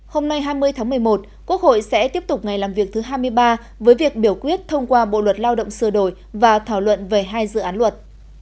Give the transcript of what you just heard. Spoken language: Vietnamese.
hôm nay hai mươi tháng một mươi một quốc hội sẽ tiếp tục ngày làm việc thứ hai mươi ba với việc biểu quyết thông qua bộ luật lao động sửa đổi và thảo luận về hai dự án luật